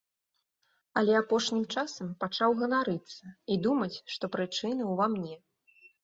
Але апошнім часам пачаў ганарыцца і думаць, што прычына ўва мне.